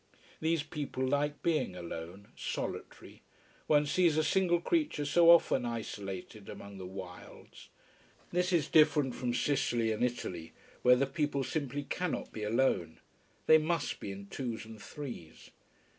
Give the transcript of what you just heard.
These people like being alone solitary one sees a single creature so often isolated among the wilds. This is different from Sicily and Italy, where the people simply cannot be alone. They must be in twos and threes.